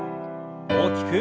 大きく。